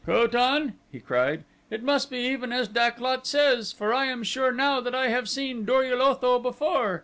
"Ko tan," he cried, "it must be even as Dak lot says, for I am sure now that I have seen Dor ul Otho before.